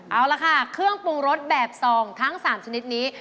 เอาละค่ะเครื่องปรุงรสแบบซองทั้ง๓ชนิดนี้